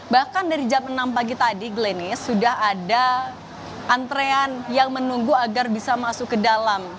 bahkan dari jam enam pagi tadi glenish sudah ada antrean yang menunggu agar bisa masuk ke dalam